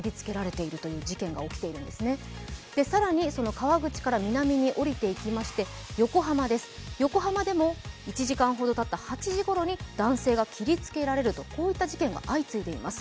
川口から南におりていきまして横浜でも１時間ほどたった８時ごろに男性が切り付けられるとこういった事件が相次いでいます。